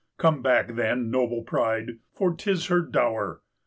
Come back, then, noble pride, for 'tis her dower!